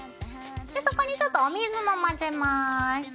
そこにちょっとお水も混ぜます。